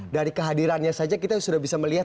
dari kehadirannya saja kita sudah bisa melihat